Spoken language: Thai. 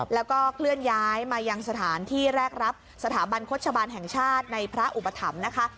แล้วก็เคลื่อนย้ายมายังสถานที่แรกรับสถาบันโฆษบาลแห่งชาติในพระอุปถัมภ์นะคะ